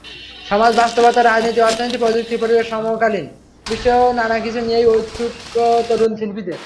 সমাজ বাস্তবতা, রাজনীতি, অর্থনীতি, প্রযুক্তি, পরিবেশ, সমকালীন বিশ্ব—নানা কিছু নিয়েই ঔৎসুক্য তরুণ শিল্পীদের।